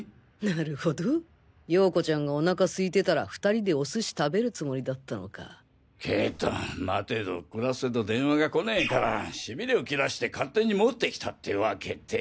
なるほどヨーコちゃんがお腹すいてたら２人でお寿司食べるつもりだったのかけど待てど暮らせど電話が来ねぇからしびれを切らして勝手に持って来たってワケで。